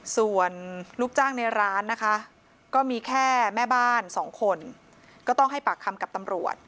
ส่วนลูกจ้างในร้านนะคะก็มีแค่แม่บ้านสองคนก็ต้องให้ปากคำกับตำรวจ